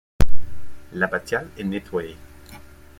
L'abbatiale est nettoyée.